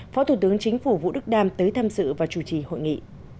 phó thủ tướng chính phủ vũ đức đam tới tham dự và chủ trì hội nghị